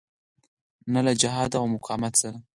نه له جهاد او مقاومت سره.